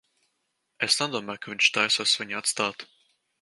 Es nedomāju, ka viņš taisās viņu atstāt.